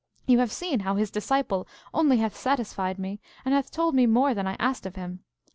You have seen how his disciple only hath satisfied me, and hath told me more than I asked of him.